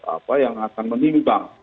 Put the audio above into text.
apa yang akan menimbang